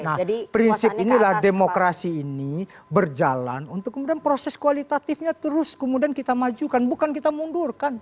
nah prinsip inilah demokrasi ini berjalan untuk kemudian proses kualitatifnya terus kemudian kita majukan bukan kita mundurkan